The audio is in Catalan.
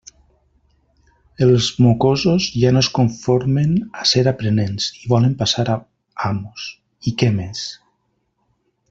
Els mocosos ja no es conformen a ser aprenents i volen passar a amos; i... què més?